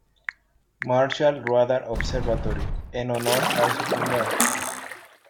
Marshall Radar Observatory" en honor a su fundador.